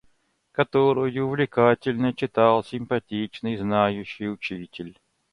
которую увлекательно читал симпатичный, знающий учитель.